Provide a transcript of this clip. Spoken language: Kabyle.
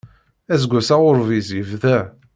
Aseggas aɣurbiz yebda.